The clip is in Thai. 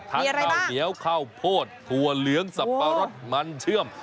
ข้าวเหนียวข้าวโพดถั่วเหลืองสับปะรดมันเชื่อม